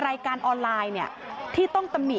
ลาออกจากหัวหน้าพรรคเพื่อไทยอย่างเดียวเนี่ย